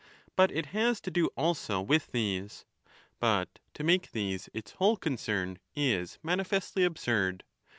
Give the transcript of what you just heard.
But it has to do also with these. But to 30 make these its whole concern is manifestly absurd.